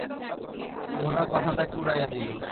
গোরা কথাটাকে উড়াইয়া দিল।